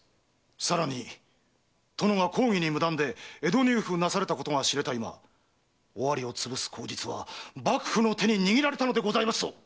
さらに殿が公儀に無断で江戸入府されたことが知れた今尾張を潰す口実は幕府の手に握られたのでございますぞ！